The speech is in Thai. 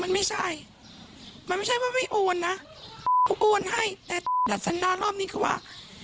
มันไม่ใช่มันไม่ใช่ว่าไม่โอนนะเขาโอนให้แต่ดัดสันดารอบนี้คือว่า